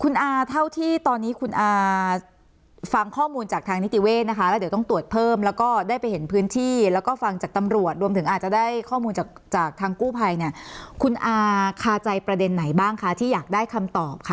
คุณอาเท่าที่ตอนนี้คุณอาฟังข้อมูลจากทางนิติเวศนะคะแล้วเดี๋ยวต้องตรวจเพิ่มแล้วก็ได้ไปเห็นพื้นที่แล้วก็ฟังจากตำรวจรวมถึงอาจจะได้ข้อมูลจากจากทางกู้ภัยเนี่ยคุณอาคาใจประเด็นไหนบ้างคะที่อยากได้คำตอบค่ะ